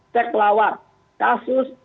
cek pelawat kasus